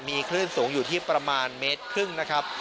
มีคลื่นสูงอยู่ที่ประมาณเมตรครึ่งนะครับ